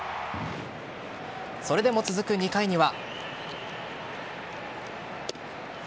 それでも、続く２回には。